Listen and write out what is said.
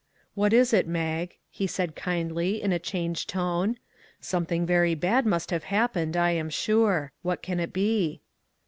"What is it, Mag?" he said kindly, in a changed tone. " Something very bad must have happened, I am sure. " What can it be